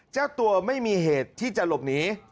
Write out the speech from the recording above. เจ้าตัวไม่มีเหตุที่จะหลบหนี